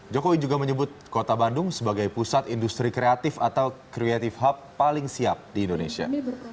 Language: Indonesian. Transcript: jokowi juga menyebut kota bandung sebagai pusat industri kreatif atau creative hub paling siap di indonesia